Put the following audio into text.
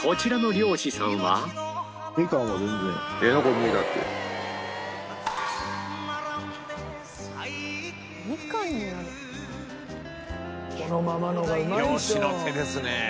漁師の手ですね男の。